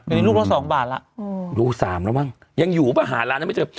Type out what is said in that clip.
เป็นลูกละสองบาทล่ะอืมลูกสามแล้วมั้งยังอยู่ประหารแล้วไม่เจอ